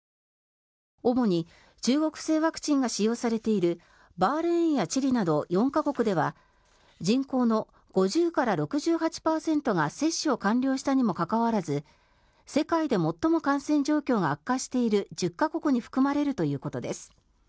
主に中国製ワクチンが使用されているバーレーンやチリなど４か国では人口の５０から６８％が接種を完了したにもかかわらず世界で最も感染状況が悪化している１０か国に含まれるということです。